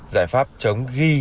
giải pháp chống ghi